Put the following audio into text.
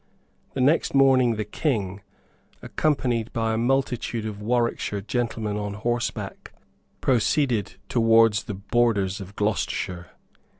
The next morning the King, accompanied by a multitude of Warwickshire gentlemen on horseback, proceeded towards the borders of Gloucestershire.